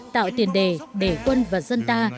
tạo tiền đề để quân và dân ta